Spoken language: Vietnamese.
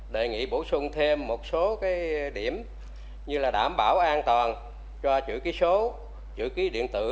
đề nghị bổ sung thêm một số điểm như là đảm bảo an toàn cho chữ ký số chữ ký điện tử